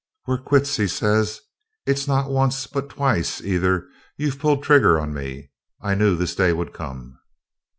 'We're quits,' he says; 'it's not once or twice either you've pulled trigger on me. I knew this day would come.'